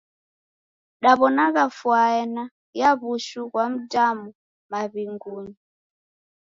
Daw'onagha fwana ya w'ushu ghwa mdamu maw'ingunyi.